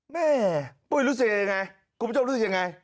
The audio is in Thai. แม่ปุ้ยรู้สึกยังไงคุณผู้ชมรู้สึกยังไง